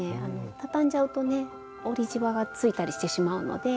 畳んじゃうとね折りじわがついたりしてしまうので。